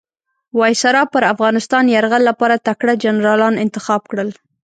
وایسرا پر افغانستان یرغل لپاره تکړه جنرالان انتخاب کړل.